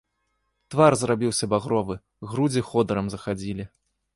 Твар зрабіўся багровы, грудзі ходырам захадзілі.